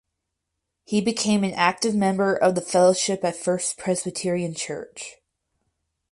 He became an active member of the fellowship at First Presbyterian Church.